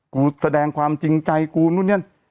แสดงความจริงใจกูนู่นนี่